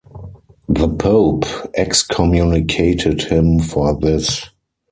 The pope excommunicated him for this.